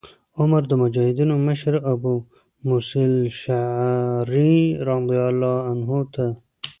عمر د مجاهدینو مشر ابو موسی الأشعري رضي الله عنه ته